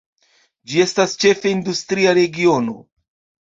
Gi estas ĉefe industria regiono.